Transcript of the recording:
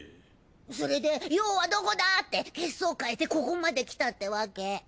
それで葉はどこだ！？って血相変えてここまで来たってわけ。